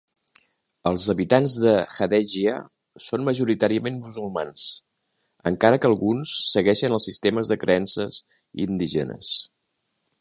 Els habitants de Hadejia són majoritàriament musulmans, encara que alguns segueixen els sistemes de creences indígenes.